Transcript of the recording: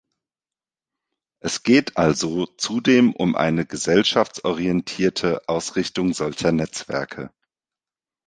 Es geht also zudem um eine gesellschaftsorientierte Ausrichtung solcher Netzwerke.